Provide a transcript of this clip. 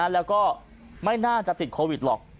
แล้วก็ไม่น่าจะติดโควิดหรอก